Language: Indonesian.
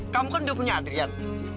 kamu kan dia punya adrian